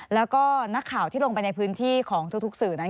แล้วก็นักข่าวที่ลงไปในพื้นที่ของทุกสื่อนั้น